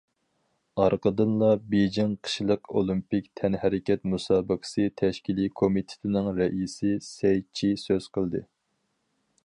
ئارقىدىنلا، بېيجىڭ قىشلىق ئولىمپىك تەنھەرىكەت مۇسابىقىسى تەشكىلىي كومىتېتىنىڭ رەئىسى سەي چى سۆز قىلدى.